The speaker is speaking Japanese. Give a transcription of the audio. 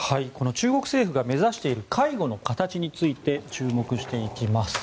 中国政府が目指している介護の形について注目していきます。